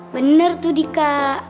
bener tuh dika